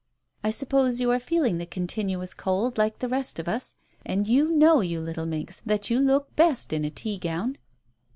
"I suppose you are feeling the continuous cold, like the rest of us. And you know, you little minx, that you look best in a tea gown."